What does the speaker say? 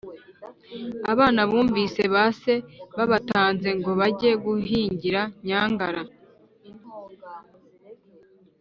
abana bumvise ba se babatanze ngo bajye guhingira nyangara,